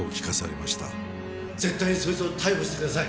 絶対にそいつを逮捕してください！